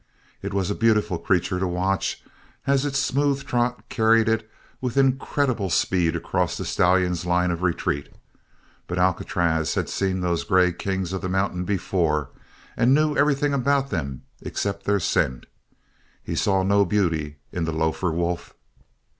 It was a beautiful creature to watch, as its smooth trot carried it with incredible speed across the stallion's line of retreat, but Alcatraz had seen those grey kings of the mountains before and knew everything about them except their scent. He saw no beauty in the lofer wolf.